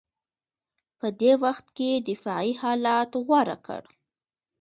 په دې وخت کې دفاعي حالت غوره کړ